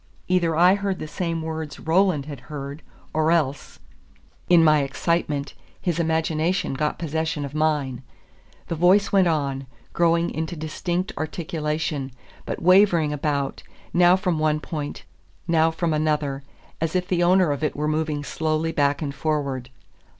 Either I heard the same words Roland had heard, or else, in my excitement, his imagination got possession of mine. The voice went on, growing into distinct articulation, but wavering about, now from one point, now from another, as if the owner of it were moving slowly back and forward.